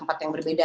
tempat yang berbeda